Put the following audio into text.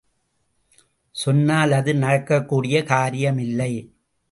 சொன்னால் அது நடக்கக்கூடிய காரியமில்லை.